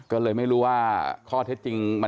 ก็เลยไม่รู้ว่าข้อเท็จจริง